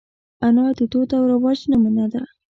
انا د دود او رواج نمونه ده